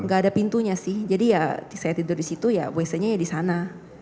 nggak ada pintunya sih jadi ya saya tidur di situ ya wc nya ya di sana